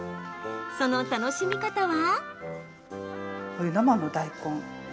その楽しみ方は？